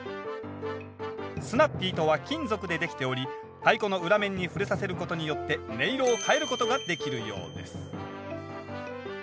スナッピーとは金属で出来ており太鼓の裏面に触れさせることによって音色を変えることができるようです